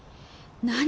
何？